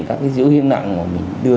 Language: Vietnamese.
các cái dữ liệu nặng mà mình đưa